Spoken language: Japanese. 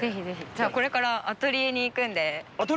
じゃあ、これからアトリエに行くんで。